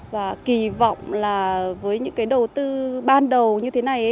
và kỳ vọng là với những cái đầu tư ban đầu như thế này